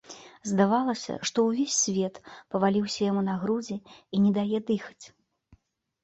Здавалася, што ўвесь свет паваліўся яму на грудзі і не дае дыхаць.